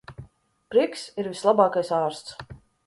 Prieks ir vislabākais ārsts.